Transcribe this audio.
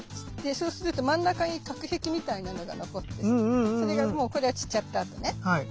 そうすると真ん中に隔壁みたいなのが残ってさそれがもうこれは散っちゃったあとね。